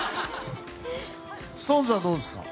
ＳｉｘＴＯＮＥＳはどうですか？